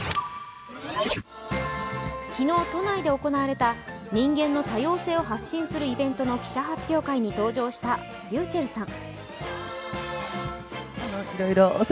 昨日、都内で行われた人間の多様性を発信するイベントの記者発表会に登場したｒｙｕｃｈｅｌｌさん。